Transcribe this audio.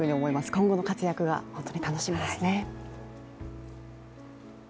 今後の活躍が本当に楽しみですね。